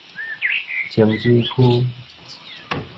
清水區